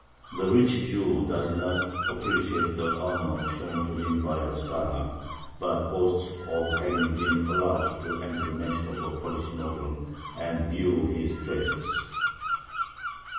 The rich Jew does not appreciate the honor shown to him by a scholar, but boasts of having been allowed to enter the mansion of a Polish noble and view his treasures.